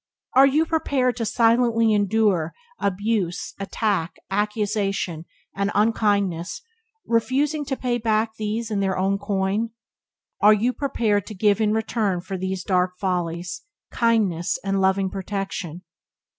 Are you prepared to silently endure abuse, attack, accusation, and unkindness, refusing to pay back these in their own coin? Nay, more, are you prepared to give in return for these dark follies kindness and loving protection?